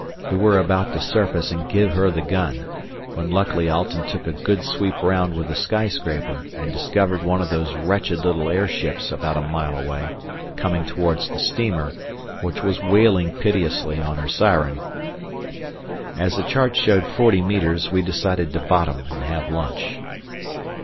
We were about to surface and give her the gun, when luckily Alten took a good sweep round with the skyscraper and discovered one of those wretched little airships about a mile away, coming towards the steamer, which was wailing piteously, on her syren. As the chart showed forty metres we decided to bottom and have lunch.